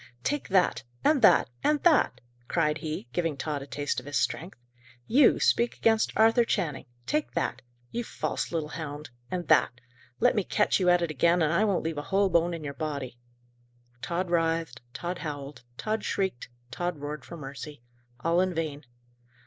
"Take that! and that! and that!" cried he, giving Tod a taste of his strength. "You speak against Arthur Channing! take that! You false little hound! and that! Let me catch you at it again, and I won't leave a whole bone in your body!" Tod writhed; Tod howled; Tod shrieked; Tod roared for mercy. All in vain.